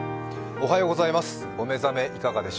おはようございます。